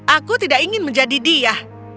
aku tidak ingin menjadi dia